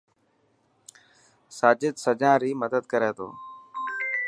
ساجد سڄان ري مدد ڪري ٿو.